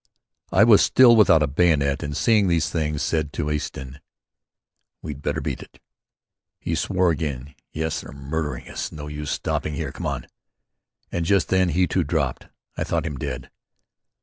I was still without a bayonet, and seeing these things, said to Easton: "We'd better beat it." He swore again. "Yes, they're murdering us. No use stopping here. Come on!" And just then he, too, dropped. I thought him dead.